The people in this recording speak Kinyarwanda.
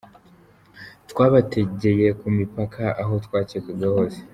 Twabategeye ku mipaka aho twakekaga hose.